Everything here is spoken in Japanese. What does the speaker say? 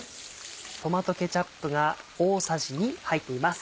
トマトケチャップが大さじ２入っています。